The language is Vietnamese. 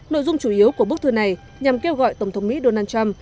nội dung chủ yếu của bức thư này nhằm kêu gọi tổng thống mỹ donald trump